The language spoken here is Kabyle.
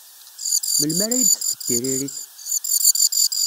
Melmi ara iyi-d-tefkeḍ tiririt?